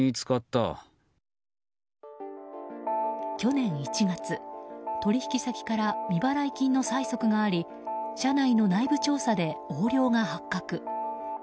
去年１月、取引先から未払い金の催促があり社内の内部調査で横領が発覚。